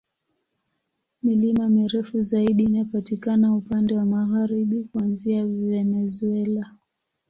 Milima mirefu zaidi inapatikana upande wa magharibi, kuanzia Venezuela.